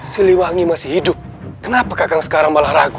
siliwangi masih hidup kenapa kakak sekarang malah ragu